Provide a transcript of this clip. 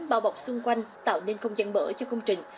bao bọc xung quanh tạo nên không gian mở cho công trình